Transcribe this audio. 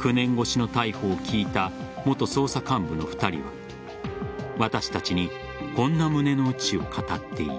９年越しの逮捕を聞いた元捜査幹部の２人は私たちにこんな胸の内を語っている。